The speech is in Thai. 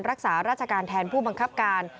รักษาราชการแทนผู้บังคับการ